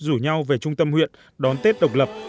rủ nhau về trung tâm huyện đón tết độc lập